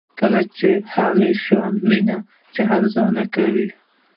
کلی هغه شان ويني چې ارزو یې کوي.